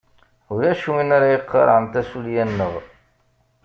Ulac win ara iqarɛen tasulya-nneɣ.